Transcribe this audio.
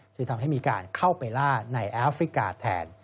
จึงทำให้มีการเข้าไปล่าในแอฟริกาแทน